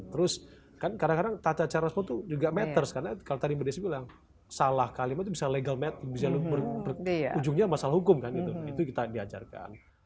terus kadang kadang tata cairan semua itu juga matters karena kalau tadi bede bilang salah kalimat itu bisa legal matters ujungnya masalah hukum kan itu kita diajarkan